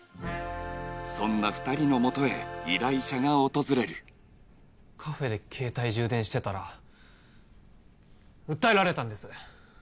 そんな２人のもとへ依頼者が訪れるカフェで携帯充電してたら訴えられたんです